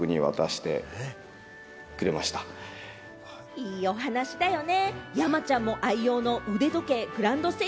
いいお話だよね。